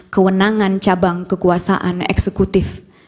kewenangan cabang kekuasaan eksekutif